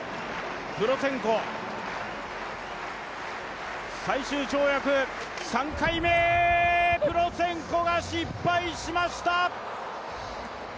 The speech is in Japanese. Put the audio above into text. プロツェンコ最終跳躍、３回目、プロツェンコが失敗しました。